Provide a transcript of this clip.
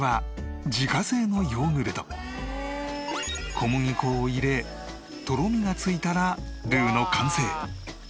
小麦粉を入れとろみがついたらルウの完成。